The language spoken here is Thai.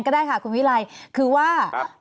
ได้ค่ะคุณวิไลคือว่า